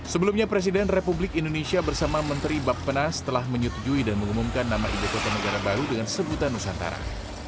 sebelumnya presiden republik indonesia bersama menteri bapenas telah menyetujui dan mengumumkan nama ibu kota negara baru dengan sebutan nusantara